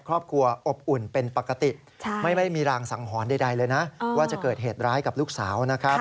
ครอบครัวอบอุ่นเป็นปกติไม่ได้มีรางสังหรณ์ใดเลยนะว่าจะเกิดเหตุร้ายกับลูกสาวนะครับ